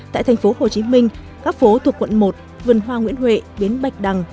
tại thành phố hồ chí minh các phố thuộc quận một vườn hoa nguyễn huệ bến bạch đằng